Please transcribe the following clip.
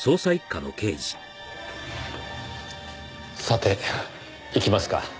さて行きますか。